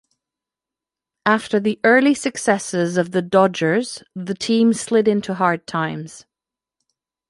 After the early successes of the Dodgers, the team slid into hard times.